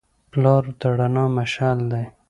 پلار د رڼا مشعل دی.